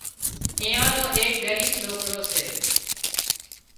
ايئا نو ايڪ ڳريٻ سوڪرو سي